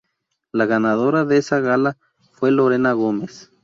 La ganadora de esa gala fue Lorena Gómez.